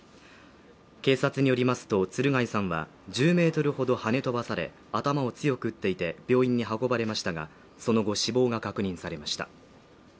警察によりますと鶴貝さんは１０ｍほどはね飛ばされ、頭を強く打っていて病院に運ばれましたがその後死亡が確認されました。